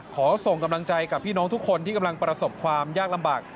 ขอส่งกำลังใจกับพี่น้องทุกคนที่กำลังประสบความยากลำบาก